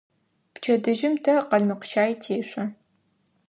Пчэдыжьым тэ къалмыкъщай тешъо.